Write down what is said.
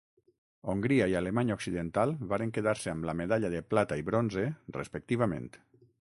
Hongria i Alemanya Occidental varen quedar-se amb la medalla de plata i bronze, respectivament.